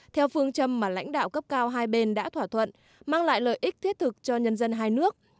theo phương châm mà lãnh đạo cấp cao hai bên đã thỏa thuận mang lại lợi ích thiết thực cho nhân dân hai nước